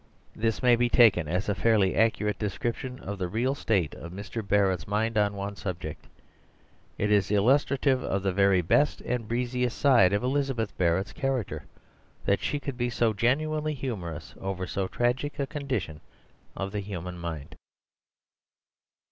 This may be taken as a fairly accurate description of the real state of Mr. Barrett's mind on one subject. It is illustrative of the very best and breeziest side of Elizabeth Barrett's character that she could be so genuinely humorous over so tragic a condition of the human mind.